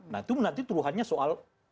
nah itu nanti tuduhannya soal